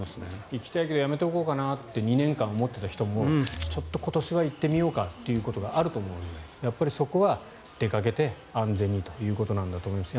行きたいけどやめておこうかなと思ってた人も今年は行ってみようかということがあると思うのでそこは出かけて安全にということだと思います。